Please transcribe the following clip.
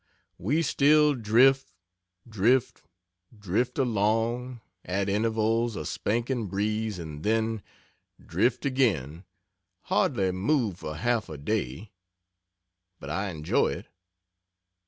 We still drift, drift, drift along at intervals a spanking breeze and then drift again hardly move for half a day. But I enjoy it.